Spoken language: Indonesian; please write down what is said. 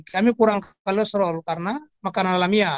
kami kurang kolesterol karena makanan alamiah